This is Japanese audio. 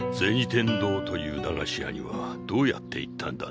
天堂という駄菓子屋にはどうやって行ったんだね？